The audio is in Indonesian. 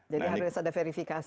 jadi harus ada verifikasi